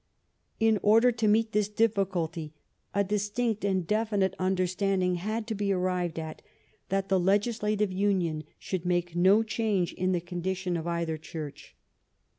In order to meet this difficulty, a distinct and definite understanding had to be arrived at that the legislative union should make no change in the condition of either Church.